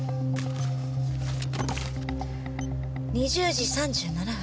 ２０時３７分。